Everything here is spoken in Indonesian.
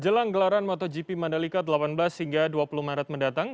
jelang gelaran motogp mandalika delapan belas hingga dua puluh maret mendatang